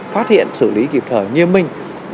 phát hiện xử lý kịp thời như mình